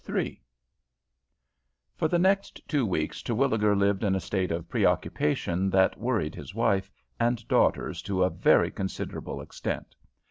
III For the next two weeks Terwilliger lived in a state of preoccupation that worried his wife and daughters to a very considerable extent.